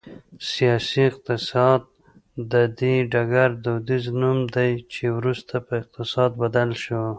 سیاسي اقتصاد د دې ډګر دودیز نوم دی چې وروسته په اقتصاد بدل شو